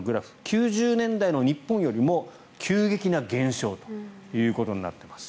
９０年代の日本よりも急激な減少ということになっています。